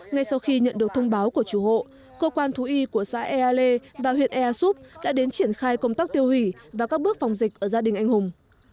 ngay sau khi nhận được thông báo của chủ hộ cơ quan thú y của xã ea lê và huyện ea súp đã đến triển khai công tác tiêu hủy và các bước phòng dịch ở gia đình anh hùng